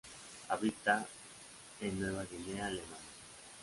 Habita en Nueva Guinea Alemana.